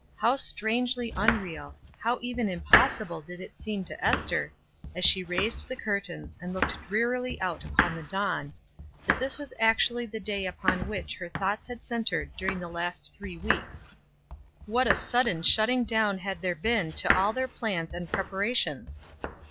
How strangely unreal, how even impossible did it seem to Ester, as she raised the curtains and looked drearily out upon the dawn, that this was actually the day upon which her thoughts had centered during the last three weeks What a sudden shutting down had there been to all their plans and preparations!